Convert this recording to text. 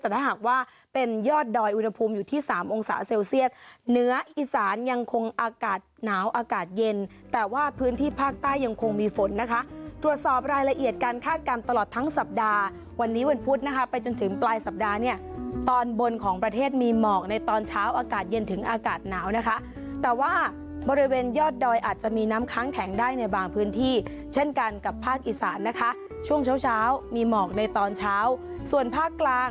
แต่ถ้าหากว่าเป็นยอดดอยอุณหภูมิอยู่ที่๓องศาเซลเซียสเนื้ออีสานยังคงอากาศหนาวอากาศเย็นแต่ว่าพื้นที่ภาคใต้ยังคงมีฝนนะคะตรวจสอบรายละเอียดการคาดการณ์ตลอดทั้งสัปดาห์วันนี้วันพุธนะคะไปจนถึงปลายสัปดาห์เนี่ยตอนบนของประเทศมีเหมาะในตอนเช้าอากาศเย็นถึงอากาศหนาวนะคะ